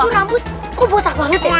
itu rambut kok botak banget ya